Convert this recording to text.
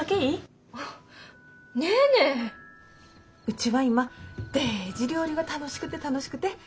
うちは今デージ料理が楽しくて楽しくて。